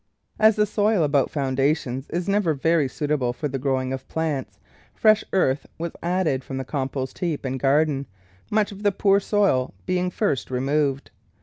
As the soil about foundations is never very suitable for the growing of plants, fresh earth was added from the compost heap and garden, much of the poor soil being first removed.